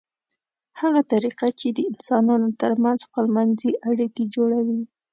هغه طریقه چې د انسانانو ترمنځ خپلمنځي اړیکې جوړوي